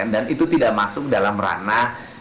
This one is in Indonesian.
dan itu tidak masuk dalam ranah